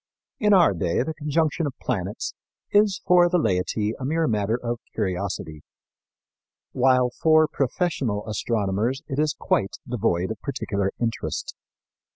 In our day the conjunction of planets is for the laity a mere matter of curiosity, while for professional astronomers it is quite devoid of particular interest.